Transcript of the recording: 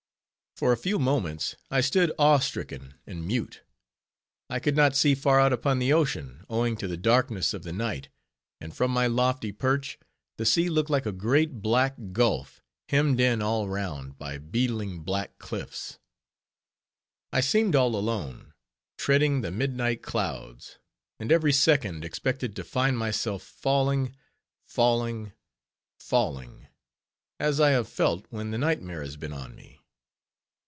For a few moments I stood awe stricken and mute. I could not see far out upon the ocean, owing to the darkness of the night; and from my lofty perch, the sea looked like a great, black gulf, hemmed in, all round, by beetling black cliffs. I seemed all alone; treading the midnight clouds; and every second, expected to find myself falling—falling—falling, as I have felt when the nightmare has been on me.